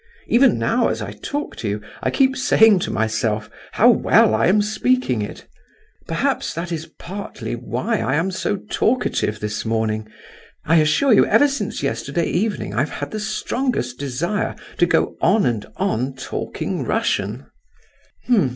Even now, as I talk to you, I keep saying to myself 'how well I am speaking it.' Perhaps that is partly why I am so talkative this morning. I assure you, ever since yesterday evening I have had the strongest desire to go on and on talking Russian."